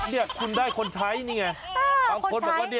เอ้าคุณได้คนใช้นี่ไง